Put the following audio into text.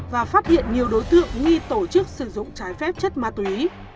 và phát hiện nhiều đối tượng nghi tổ chức sử dụng trái phép chất ma túy